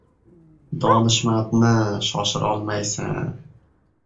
Donishmandni shoshirolmaysan.